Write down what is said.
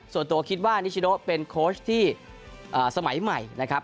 ส่วนตัวคิดว่านิชโนเป็นโค้ชที่สมัยใหม่นะครับ